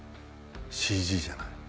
ＣＧじゃない。